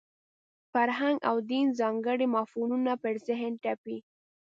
فرهنګ او دین ځانګړي مفهومونه پر ذهن تپي.